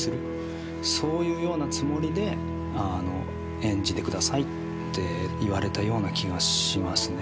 そういうようなつもりで演じてくださいって言われたような気がしますね。